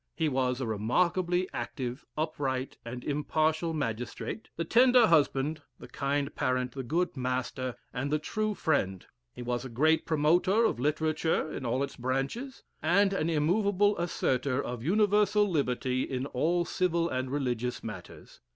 He was a remarkably active, up right, and impartial magistrate, the tender husband the kind parent, the good master, and the true friend He was a great promoter of literature in all its branch es; and an immoveable asserter of universal liberty in all civil and religious matters.